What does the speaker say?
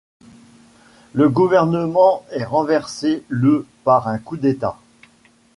Le gouvernement est renversé le par un Coup d'État.